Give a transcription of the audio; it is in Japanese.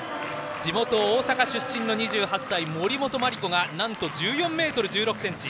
地元・大阪出身の２８歳森本麻里子がなんと１４ｍ１６ｃｍ。